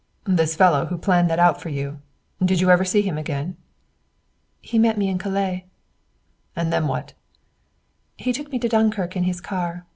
"This fellow who planned that for you did you ever see him again?" "He met me in Calais." "And then what?" "He took me to Dunkirk in his car.